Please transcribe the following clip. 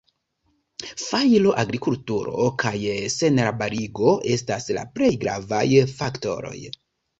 Fajro, agrikulturo kaj senarbarigo estas la plej gravaj faktoroj.